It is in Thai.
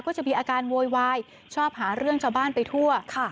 ก็จะมีอาการโวยวายชอบหาเรื่องชาวบ้านไปทั่วค่ะ